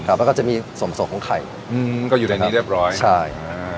แล้วก็จะมีส่วนสดของไข่อืมก็อยู่ในนี้เรียบร้อยใช่อ่า